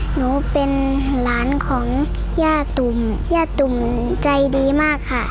หนูเป็นหลานของย่าตุ่มย่าตุ่มใจดีมากค่ะ